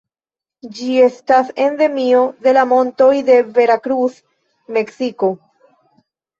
Ĝi estas endemio de la montoj de Veracruz, Meksiko.